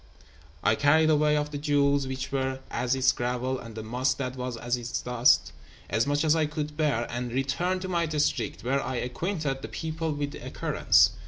"I carried away of the jewels which were as its gravel, and the musk that was as its dust, as much as I could bear, and returned to my district, where I acquainted the people with the occurrence.